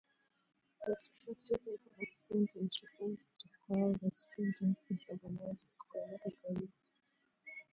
The structural type of a sentence refers to how the sentence is organized grammatically.